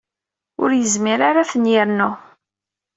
Ur yezmir ara ad ten-yernu.